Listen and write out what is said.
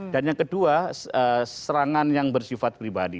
dan yang kedua serangan yang bersifat pribadi